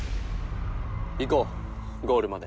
いこうゴールまで。